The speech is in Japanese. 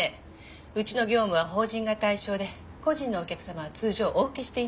うちの業務は法人が対象で個人のお客様は通常お受けしていないんです。